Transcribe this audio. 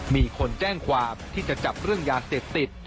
มีคนแจ้งความที่จะจับเรื่องยาเสพติด